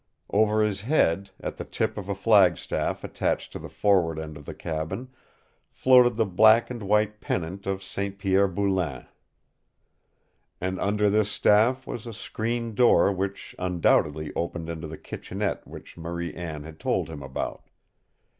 Over his head, at the tip of a flagstaff attached to the forward end of the cabin, floated the black and white pennant of St. Pierre Boulain. And under this staff was a screened door which undoubtedly opened into the kitchenette which Marie Anne had told him about.